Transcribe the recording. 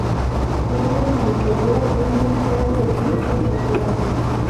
Tiene en su interior un museo de Ciencias Naturales.